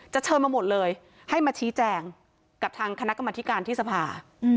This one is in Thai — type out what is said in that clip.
เชิญมาหมดเลยให้มาชี้แจงกับทางคณะกรรมธิการที่สภา